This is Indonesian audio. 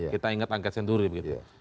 kita ingat angket senturi begitu